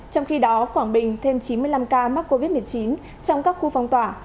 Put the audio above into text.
trong khi đó quảng bình thêm chín mươi năm ca mắc covid một mươi chín trong các khu phong tỏa